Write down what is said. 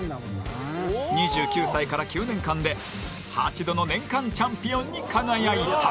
２９歳から９年間で８度の年間チャンピオンに輝いた。